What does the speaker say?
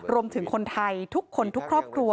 รวมถึงคนไทยทุกคนทุกครอบครัว